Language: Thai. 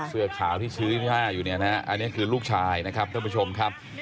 เสื้อขาวที่ชี้ที่๕อยู่เนี่ยนะอันนี้คือลูกชายนะครับท่านผู้ชมครับ